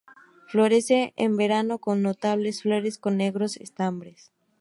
Florece en verano, con notables flores con negros estambres.